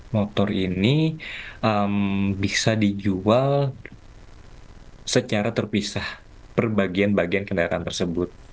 motor ini bisa dijual secara terpisah per bagian bagian kendaraan tersebut